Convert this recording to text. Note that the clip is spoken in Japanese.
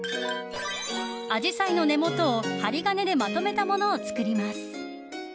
アジサイの根元を針金でまとめたものを作ります。